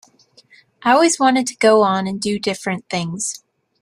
I always wanted to go on and do different things.